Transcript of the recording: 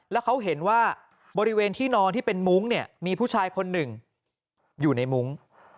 แล้วเขาเห็นว่าบริเวณที่นอนที่เป็นมุ้งเนี่ยมีผู้ชายคนหนึ่งอยู่ในมุ้ง